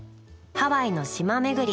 ハワイの島巡り。